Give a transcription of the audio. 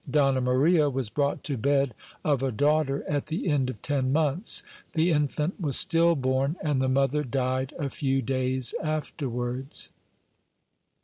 Donna Maria was brought to bed of a daughter at the end of ten months ; the infant was still born, and the mother died a few day afterwards.